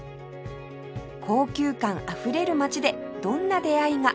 高級感あふれる街でどんな出会いが？